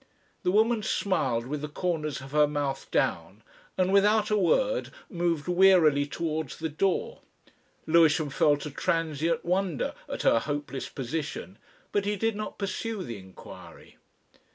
The woman smiled with the corners of her mouth down, and without a word moved wearily towards the door. Lewisham felt a transient wonder at her hopeless position, but he did not pursue the inquiry.